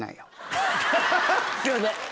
すいません！